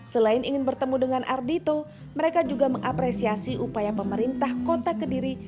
selain ingin bertemu dengan ardhito mereka juga mengapresiasi upaya pemerintah kota kediri